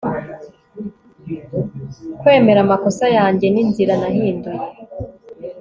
kwemera amakosa yanjye ninzira nahinduye